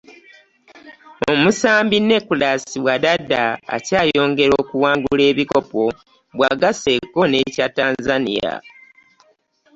Omusambi Nicolas Wadada akyayongera kuwangula bikopo bw'afasseeko n'eky'e Tanzania.